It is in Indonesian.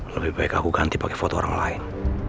lebih baik aku ganti pakai foto orang lain